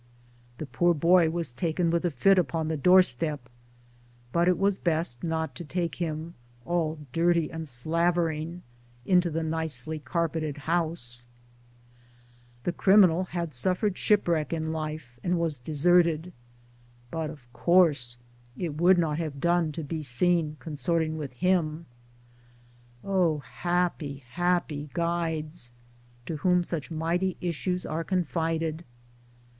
The poor boy was taken with a fit upon the doorstep, but it was best not to take him all dirty and slavering into the nicely carpeted house ! The criminal had suffered shipwreck in life and was deserted ; but of course it would not have done to be seen consorting with him. Towards Democracy O happy happy guides ! to whom such mighty issues are confided